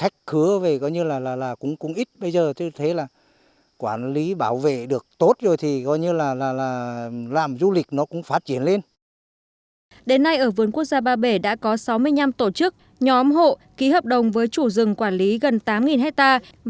đến nay ở vườn quốc gia ba bể đã có sáu mươi năm tổ chức nhóm hộ ký hợp đồng với chủ rừng quản lý gần tám hectare